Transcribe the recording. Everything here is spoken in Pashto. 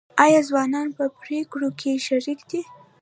آیا ځوانان په پریکړو کې شریک دي؟